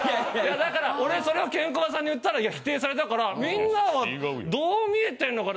だから俺それケンコバさんに言ったら否定されたからみんなはどう見えてんのかな？